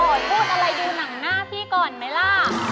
พูดอะไรดูหนังหน้าพี่ก่อนไหมล่ะ